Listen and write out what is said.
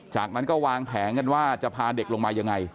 จากนั้นก็วางแผนกันว่าจะพาเด็กลงมายังไง